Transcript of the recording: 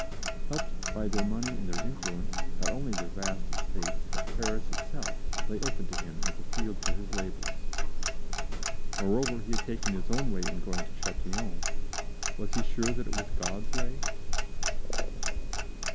Helped by their money and their influence, not only their vast estates, but Paris itself, lay open to him as a field for his labors. Moreover, he had taken his own way in going to Châtillon; was he sure that it was God's way?